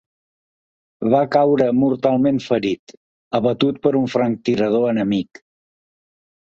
Va caure mortalment ferit, abatut per un franctirador enemic.